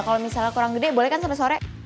kalau misalnya kurang gede boleh kan sampai sore